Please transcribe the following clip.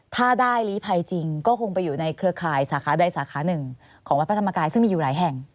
ถ้าได้ลีภัยจริงก็คงไปอยู่ในเครือข่ายสาขาใดสาขาหนึ่งของวัดพระธรรมกายซึ่งมีอยู่หลายแห่ง